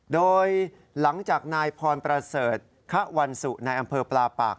โดยหลังจากนายพรประเสริฐคะวันสุนายอำเภอปลาปาก